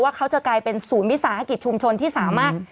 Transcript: ว่าเขาจะกลายเป็นศูนย์วิทยาศาสตร์ฯภักดิ์ชุมชนที่สามารถ